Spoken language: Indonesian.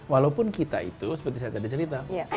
walaupun kita itu seperti saya tadi cerita